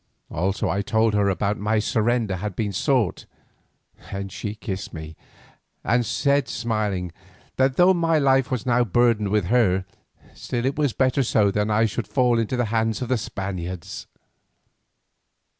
Also I told her how my surrender had been sought, and she kissed me, and said smiling, that though my life was now burdened with her, still it was better so than that I should fall into the hands of the Spaniards.